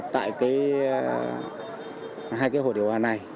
tại hai hồ điều hòa này